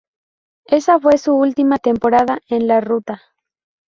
Esa fue su última temporada en la ruta.